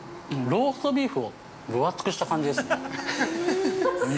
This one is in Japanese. ◆ローストビーフを分厚くした感じですね。